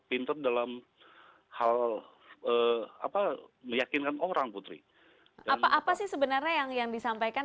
pinter dalam hal apa meyakinkan orang putri apa apa sih sebenarnya yang yang disampaikan